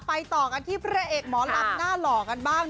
ต่อกันที่พระเอกหมอลำหน้าหล่อกันบ้าง